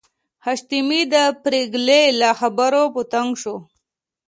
حشمتي د پريګلې له خبرو په تنګ شو